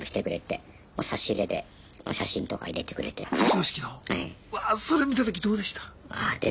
うわあそれ見た時どうでした？